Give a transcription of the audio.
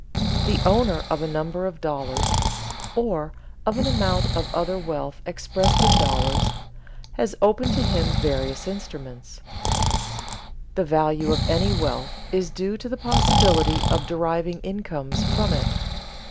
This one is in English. The owner of a number of dollars (or of an amount of other wealth expressed in dollars) has open to him various investments. The value of any wealth is due to the possibility of deriving incomes from it.